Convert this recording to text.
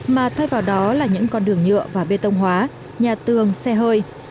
mà thay vào đó là những con đường nhựa và bê tông hóa nhà tường xe hơi